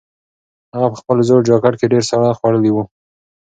هغه په خپل زوړ جاکټ کې ډېر ساړه خوړلي وو.